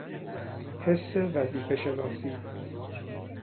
حس وظیفهشناسی